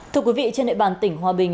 thưa quý vị trên nội bàn tỉnh hòa bình